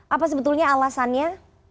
apa sebetulnya alasannya